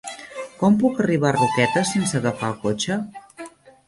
Com puc arribar a Roquetes sense agafar el cotxe?